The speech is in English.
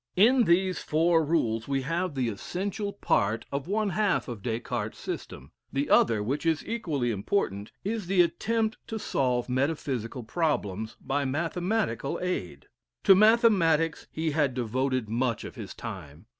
In these four rules we have the essential part of one half of Des Cartes's system, the other, which is equally important, is the attempt to solve metaphysical problems by mathematical aid. To mathematics he had devoted much of his time.